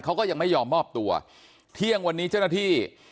เขาก็ยังไม่ยอมมอบตัวเที่ยงวันนี้เจ้าหน้าที่